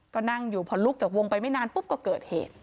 ก็นั่งอยู่พอลุกจากวงไปไม่นานปุ๊บก็เกิดเหตุ